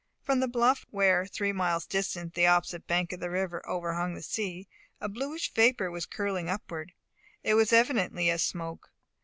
From the bluff where, three miles distant, the opposite bank of the river overhung the sea, a bluish vapour was curling upward. It was evidently a smoke.